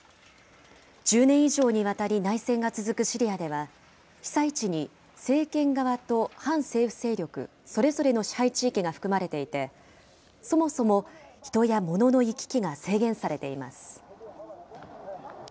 １０年以上にわたり内戦が続くシリアでは、被災地に政権側と反政府勢力、それぞれの支配地域が含まれていて、そもそも人や物の行き来が制限されています。